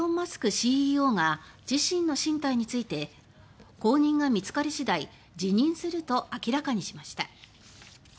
ＣＥＯが自身の進退について「後任が見つかり次第辞任する」と明らかにしました。